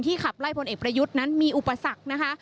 ขับไล่พลเอกประยุทธ์นั้นมีอุปสรรคนะคะ